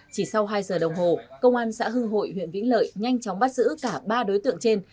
chỉ sau hai giờ đồng hồ công an xã hưng hội huyện vĩnh lợi nhanh chóng bắt giữ cả ba đối tượng trên